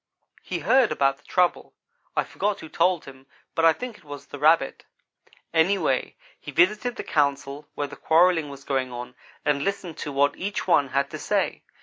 "He heard about the trouble. I forget who told him, but I think it was the Rabbit. Anyhow he visited the council where the quarrelling was going on and listened to what each one had to say.